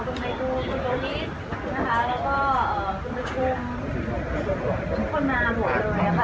คุณภัยกูคุณโลวิสคุณพระคุมทุกคนมาหมดเลยนะคะ